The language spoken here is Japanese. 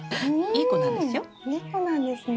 いい子なんですよ。